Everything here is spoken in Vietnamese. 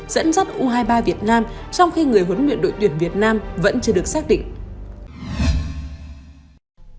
dẫn dắt u hai mươi ba việt nam trong khi người huấn luyện đội tuyển việt nam vẫn chưa được xác định